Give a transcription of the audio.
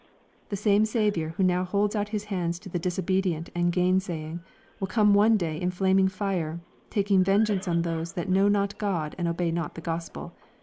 The same Saviour who now holds out His hands to the disobedient and gainsaying, will couie one day in flaming fire, taking vengeance on those that know not God and obey not the Gospel.